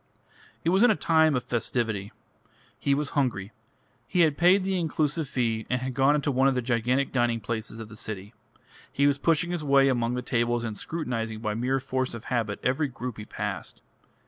It was in a time of festivity. He was hungry; he had paid the inclusive fee and had gone into one of the gigantic dining places of the city; he was pushing his way among the tables and scrutinising by mere force of habit every group he passed.